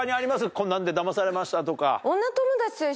こんなんでダマされましたとか。